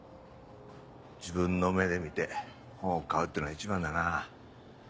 自分の目で見て本を買うってのが一番だな。